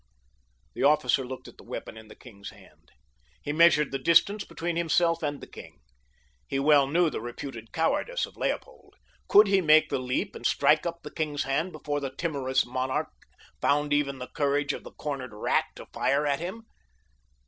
The officer looked at the weapon in the king's hand. He measured the distance between himself and the king. He well knew the reputed cowardice of Leopold. Could he make the leap and strike up the king's hand before the timorous monarch found even the courage of the cornered rat to fire at him?